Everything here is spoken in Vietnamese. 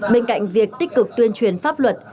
bên cạnh việc tích cực tuyên truyền pháp luật